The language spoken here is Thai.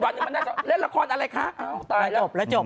ถ้าผมอยู่วันนี้เล่นละครอะไรคะจบแล้วก็จบ